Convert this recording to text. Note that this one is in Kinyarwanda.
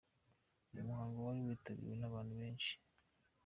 Uyu muhango wari witabiriwe n'abantu benshi.